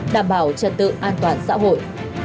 đảm bảo trật tự an toàn xã hội